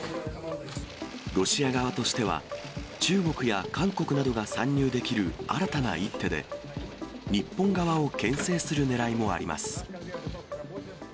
ロシア側としては、中国や韓国などが参入できる、新たな一手で、日本側をけん制するねらいもあります。